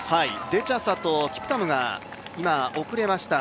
デチャサとキプトゥムが遅れました。